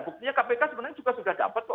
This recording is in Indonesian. buktinya kpk sebenarnya juga sudah dapat kok